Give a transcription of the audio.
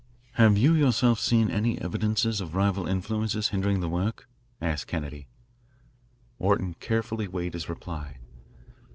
"Have you yourself seen any evidences of rival influences hindering the work?" asked Kennedy. Orton carefully weighed his reply.